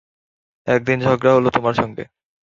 একদিন ঝগড়া হল তোমার সঙ্গে।